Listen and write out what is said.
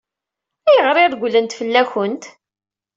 Ayɣer i regglent fell-akent?